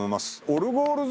オルゴール！